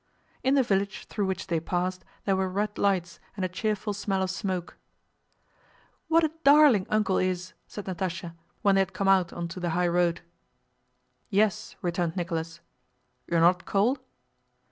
In the village through which they passed there were red lights and a cheerful smell of smoke. "What a darling Uncle is!" said Natásha, when they had come out onto the highroad. "Yes," returned Nicholas. "You're not cold?"